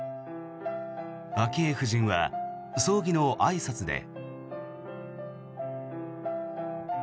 昭恵夫人は葬儀のあいさつで。